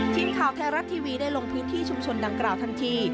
ทีมข่าวไทยรัฐทีวีได้ลงพื้นที่ชุมชนดังกล่าวทันที